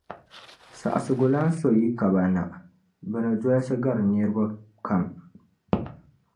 Saɣisigulana so yi ka ba na, bɛ ni dolsi gari niriba kam.